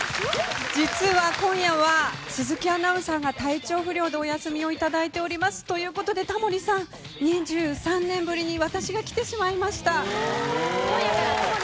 実は今夜は鈴木新彩アナウンサーが体調不良でお休みをいただいております。ということで、タモリさん２３年ぶりに私が来てしまいました。